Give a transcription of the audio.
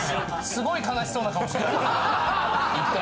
すごい悲しそうな顔してた。